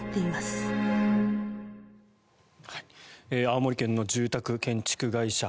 青森県の住宅建築会社